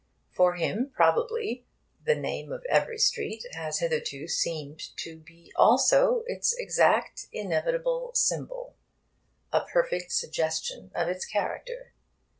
For him, probably, the name of every street has hitherto seemed to be also its exact, inevitable symbol, a perfect suggestion of its character.